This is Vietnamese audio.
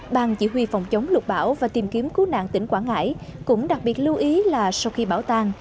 bàn chỉ huy phòng chống lục bão và tìm kiếm cứu nạn tỉnh quảng ngãi cũng đặc biệt lưu ý là sau khi bão tàn